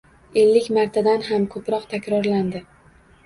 Ellik martadan ham koʻproq takrorlandi